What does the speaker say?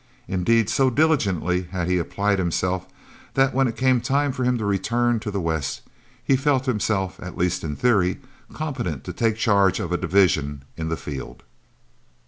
Indeed, so diligently had he applied himself, that when it came time for him to return to the West, he felt himself, at least in theory, competent to take charge of a division in the field.